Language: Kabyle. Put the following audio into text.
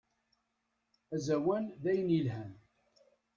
Azawan dayen yelhan.